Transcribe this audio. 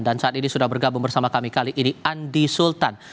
dan saat ini sudah bergabung bersama kami kali ini andi sultan